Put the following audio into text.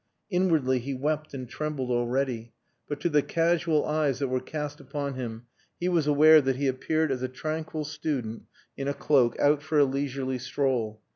Inwardly he wept and trembled already. But to the casual eyes that were cast upon him he was aware that he appeared as a tranquil student in a cloak, out for a leisurely stroll.